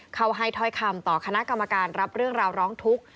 เข้าให้ถ้อยคำต่อคณะกรรมการรับเรื่องราวร้องทุกข์